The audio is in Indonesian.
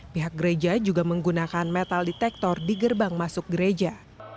pihak gereja juga menggunakan metal detektor di gerbang masuk gereja